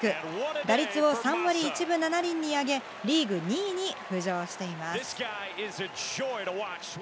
打率を３割１分７厘に上げ、リーグ２位に浮上しています。